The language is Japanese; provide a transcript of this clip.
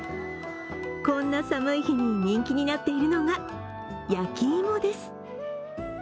こんな寒い日に人気になっているのが焼き芋です。